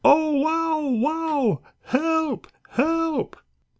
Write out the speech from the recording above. "Oh, wow, wow! Help, help!"